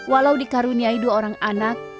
walau dikaruniai dua orang anak